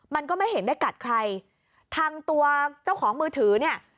มันก็ไม่เห็นได้กัดใครทางตัวเจ้าของมือถือเนี่ย